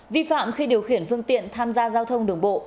vi phạm khi điều khiển phương tiện tham gia giao thông đường bộ